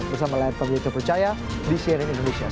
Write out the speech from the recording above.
bersama layar pemilu terpercaya di cnn indonesia